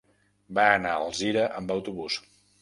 Va anar a Alzira amb autobús.